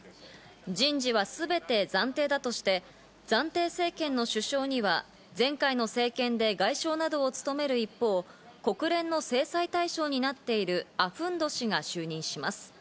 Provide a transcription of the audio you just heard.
人事はすべて暫定だとして、暫定政権の首相には前回の政権で外相などを務める一方、国連の制裁対象になっているアフンド師が就任します。